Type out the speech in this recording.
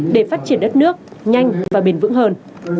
để phát triển đất nước nhanh và bền vững hơn